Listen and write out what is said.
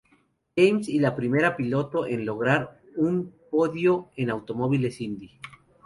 James, y la primera piloto en lograr un podio en automóviles Indy.